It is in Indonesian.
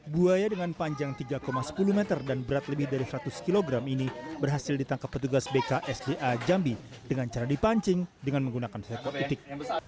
buaya dengan panjang tiga sepuluh meter dan berat lebih dari seratus kg ini berhasil ditangkap petugas bksda jambi dengan cara dipancing dengan menggunakan herkotic